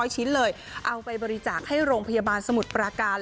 ชิ้นเลยเอาไปบริจาคให้โรงพยาบาลสมุทรปราการ